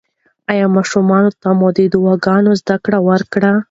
ایا ماشومانو ته مو د دعاګانو زده کړه ورکړې؟